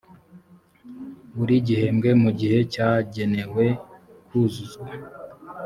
buri gihembwe mu gihe cyagenewe kuzuzwa